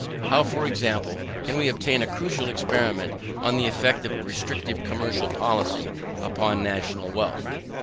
How, for example, can we obtain a crucial experiment on the effect of a restrictive commercial policy upon national wealth?